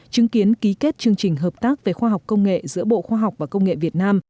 chứng kiến ký kết chương trình hợp tác về khoa học công nghệ giữa bộ khoa học và công nghệ việt nam